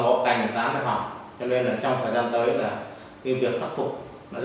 cho nên trong thời gian tới là việc khắc phục